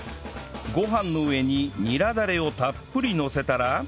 ご飯の上にニラダレをたっぷりのせたら